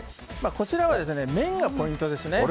こちらは麺がポイントです。